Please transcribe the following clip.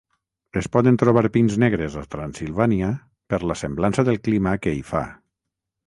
Es poden trobar pins negres a Transsilvània per la semblança del clima que hi fa.